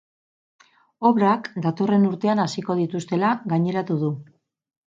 Obrak datorren urtean hasiko dituztela gaineratu du.